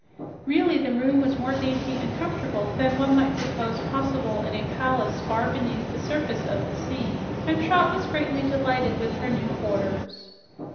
Really, the room was more dainty and comfortable than one might suppose possible in a palace far beneath the surface of the sea, and Trot was greatly delighted with her new quarters.